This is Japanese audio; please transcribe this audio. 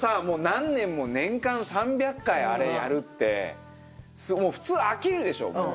もう何年も年間３００回あれやるってもう普通飽きるでしょもう。